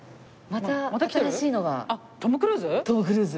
トム・クルーズ？